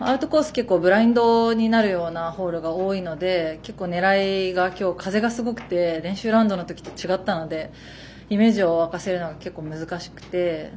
結構ブラインドになるようなホールが多いので今日は風がすごくて練習ラウンドのときと違ったのでイメージを沸かせるの結構、難しくて。